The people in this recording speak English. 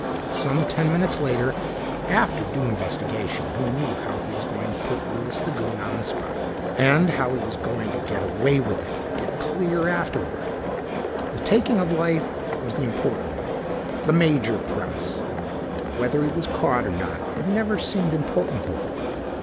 Some ten minutes later, after due investigation, he knew how he was going to put Louis the Goon on the spot. And how he was going to get away with it, get clear afterward. The taking of life was the important thing, the major premise. Whether he was caught or not had never seemed important before.